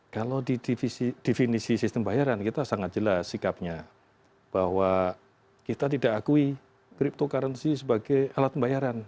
kalau di definisi sistem pembayaran kita sangat jelas sikapnya bahwa kita tidak akui cryptocurrency sebagai alat pembayaran